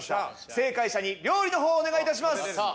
正解者に料理の方お願いいたします